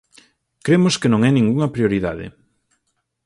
Cremos que non é ningunha prioridade.